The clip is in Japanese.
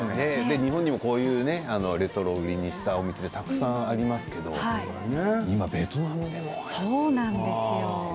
日本でもこういうレトロを売りにしたお店がたくさんありますけれども今、ベトナムでもね。